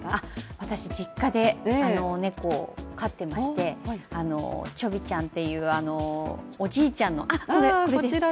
私、実家で猫を飼ってまして、ちょびちゃんっていうおじいちゃんのこれです。